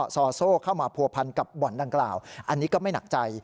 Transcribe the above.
ซอโซ่เข้ามาผัวพันกับบ่อนดังกล่าวอันนี้ก็ไม่หนักใจ